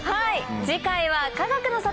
次回はかがくの里